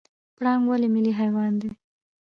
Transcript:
پړانګ ولې ملي حیوان دی؟